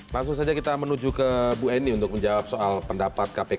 langsung saja kita menuju ke bu eni untuk menjawab soal pendapat kpk